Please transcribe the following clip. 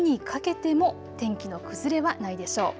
夜にかけても天気の崩れはないでしょう。